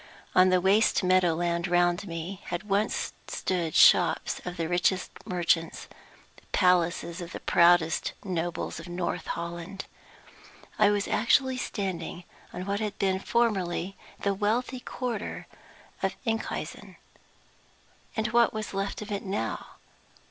On the waste meadow land round me had once stood the shops of the richest merchants, the palaces of the proudest nobles of North Holland. I was actually standing on what had been formerly the wealthy quarter of Enkhuizen! And what was left of it now?